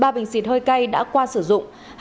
ba bình xịt hơi cay đã qua sử dụng